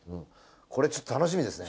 これちょっと楽しみですね。